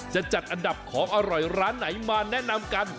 จะจัดอันดับของอร่อยร้านไหนมาแนะนำกัน